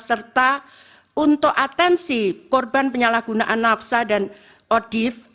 serta untuk atensi korban penyalahgunaan nafsa dan odif